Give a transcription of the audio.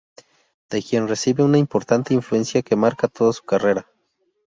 De quien recibe una importante influencia que marca toda su carrera.